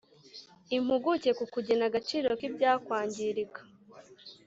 impuguke mu kugena agaciro k’ibyakwangirika;